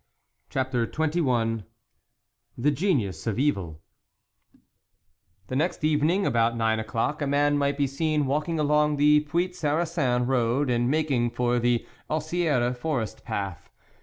CHAPTER XXI THE GENIUS OF EVIL next evening, about nine o'clock, a man might be seen walking along the Puits Sarrasin road and making for for the Osieres forest path.